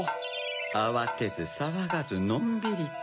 あわてずさわがずのんびりと。